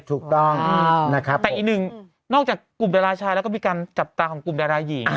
ถูกต้องนะครับแต่อีกหนึ่งนอกจากกลุ่มดาราชายแล้วก็มีการจับตาของกลุ่มดาราหญิง